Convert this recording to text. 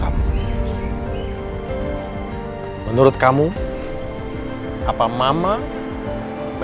taman karimun parmae